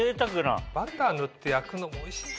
バター塗って焼くのもおいしいんだよね。